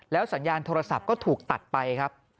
สัญญาณโทรศัพท์ก็ถูกตัดไปครับ